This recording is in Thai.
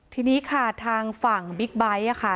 ทีนี้ค่ะทางฝั่งบิ๊กไบท์ค่ะ